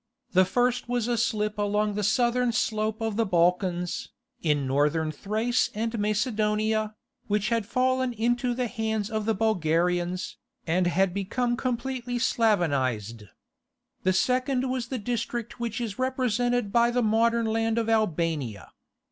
The first was a slip along the southern slope of the Balkans, in Northern Thrace and Macedonia, which had fallen into the hands of the Bulgarians, and become completely Slavonized. The second was the district which is represented by the modern land of Albania.